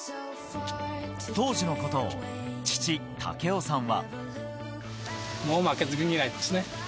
当時のことを父・武夫さんは。